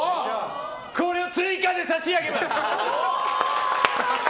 これを追加で差し上げます！